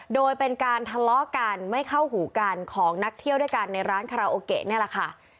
โดยเป็นการทะเลาะกันไม่เข้าหูกันของนักเที่ยวด้วยกันในร้านคาราโอเกะนี่แหละค่ะ